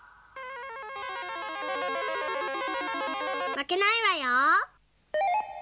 まけないわよ。